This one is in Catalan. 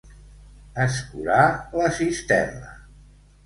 Escurar la cisterna.